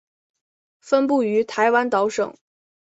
分布于台湾岛等。